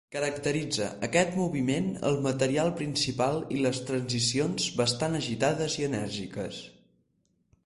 Caracteritza aquest moviment el material principal i les transicions bastant agitades i enèrgiques.